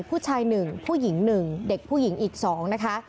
ผู้ชาย๑ผู้หญิง๑เด็กผู้หญิงอีก๒นะคะ